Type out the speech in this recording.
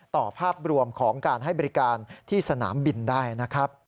ภาพรวมของการให้บริการที่สนามบินได้นะครับ